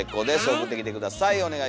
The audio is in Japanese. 送ってきて下さい。